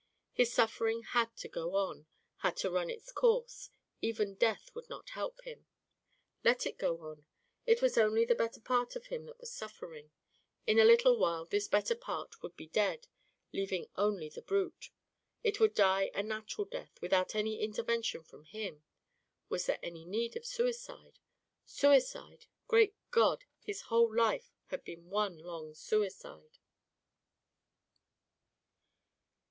His suffering had to go on, had to run its course, even death would not help him. Let it go on, it was only the better part of him that was suffering; in a little while this better part would be dead, leaving only the brute. It would die a natural death without any intervention from him. Was there any need of suicide? Suicide! Great God! his whole life had been one long suicide.